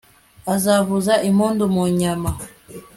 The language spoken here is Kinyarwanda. azavuza impanda mu nyama